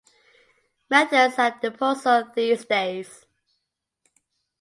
Methods at our disposal these days.